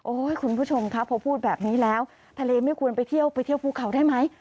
คุณผู้ชมครับพอพูดแบบนี้แล้วทะเลไม่ควรไปเที่ยวไปเที่ยวภูเขาได้ไหม